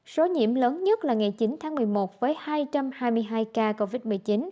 số nhiễm lớn nhất là ngày chín tháng một mươi một với hai trăm hai mươi hai ca covid một mươi chín